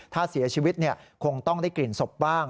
ถ้าเสียชีวิตคงต้องได้กลิ่นศพบ้าง